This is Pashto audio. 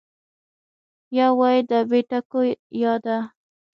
یو وای دا بې ټکو یا ده